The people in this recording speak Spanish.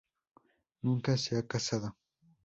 Nunca se ha casado.